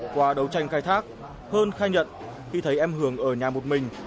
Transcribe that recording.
qua đấu tranh khai thác hơn khai nhận khi thấy em hường ở nhà một mình